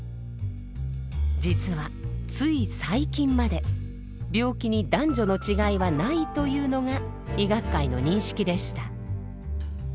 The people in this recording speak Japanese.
実はつい最近まで病気に男女の違いはないというのが医学界の認識でした。